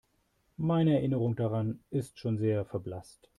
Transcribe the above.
Meine Erinnerung daran ist schon sehr verblasst.